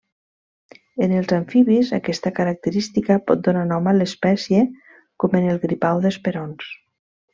En els amfibis aquesta característica pot donar nom a l'espècie com en el gripau d'esperons.